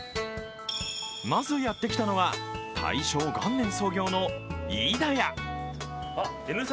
まずやってきたのは大正元年創業の飯田屋。